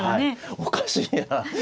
おかしいな。